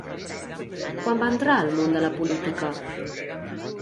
Quan va entrar al món de la política?